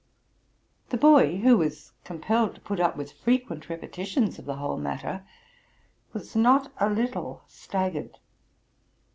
The boy, who was compelled, to put up with frequent repetitions of the whole matter, was not a little staggered.